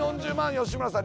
吉村さん。